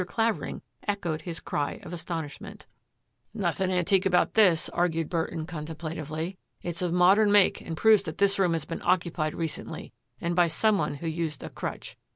Clavering echoed his cry of astonishment. CLUE OF THE BROKEN CRUTCH 9T " Nothing antique about this," argued Burton contemplatively. " It's of modem make and proves that this room has been occupied recently and by some one who used a crutch.